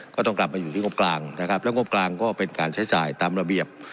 ก็ต้องกลับมาอยู่ที่งบกลางนะครับแล้วงบกลางก็เป็นการใช้จ่ายตามระเบียบ